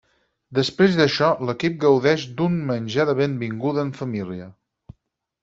Després d'això l'equip gaudeix d'un menjar de benvinguda en família.